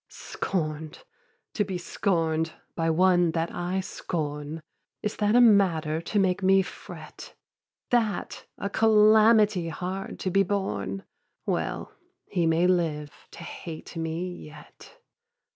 Scorn'd, to be scorn'd by one that I scorn, Is that a matter to make me fret? That a calamity hard to be borne? Well, he may live to hate me yet.